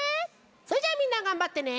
それじゃあみんながんばってね。